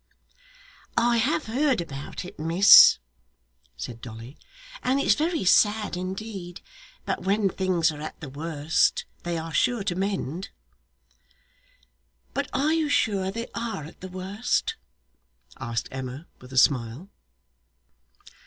'I have heard about it, miss,' said Dolly, 'and it's very sad indeed, but when things are at the worst they are sure to mend.' 'But are you sure they are at the worst?' asked Emma with a smile.